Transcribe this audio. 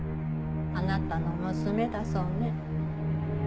あなたの娘だそうね。